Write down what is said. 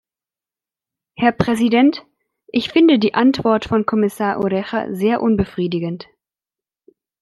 Herr Präsident, ich finde die Antwort von Kommissar Oreja sehr unbefriedigend.